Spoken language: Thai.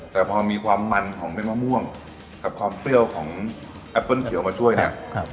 แต่พอมีความมันของเป็นมะม่วงกับความเปรี้ยวของแอปเปิ้ลเขียวมาช่วยเนี่ย